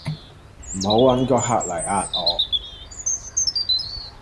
唔好搵個客嚟壓我